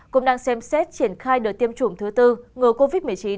cũng đang xem xét triển khai đợt tiêm chủng thứ tư ngừa covid một mươi chín